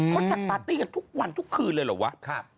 เขาจัดปาร์ตี้กันทุกวันทุกคืนเลยเหรอวะ